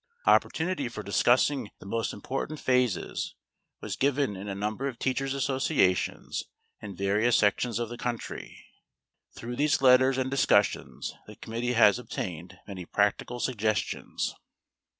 Opportunity for discussing the most important phases was given in a number of teachers' associations in various sections of the country. Through these letters and discussions the committee has obtained many practical suggestions.